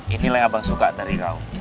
inilah yang abang suka dari raung